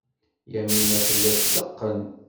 Yamina tella tetteqqen.